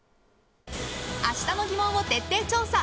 明日の疑問を徹底調査。